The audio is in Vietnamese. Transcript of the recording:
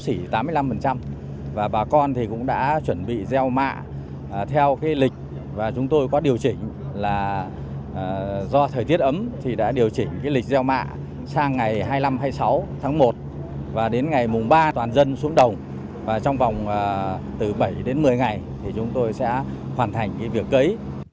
chúng tôi hiện nay làm đất sấp xỉ tám mươi năm và bà con cũng đã chuẩn bị gieo mạ theo lịch và chúng tôi có điều chỉnh là do thời tiết ấm thì đã điều chỉnh lịch gieo mạ sang ngày hai mươi năm hai mươi sáu tháng một và đến ngày mùng ba toàn dân xuống đồng và trong vòng từ bảy đến một mươi ngày thì chúng tôi sẽ hoàn thành việc cấy